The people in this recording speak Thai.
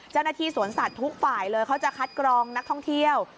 เจ้าหน้าที่สวนสัตว์ทุกฝ่ายเลยเขาจะคัดกรองนักท่องเที่ยว